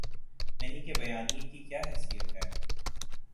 نہیں کے بیانیے کی کیا حیثیت ہے؟